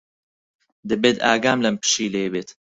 دەبێت ئاگام لەم پشیلەیە بێت.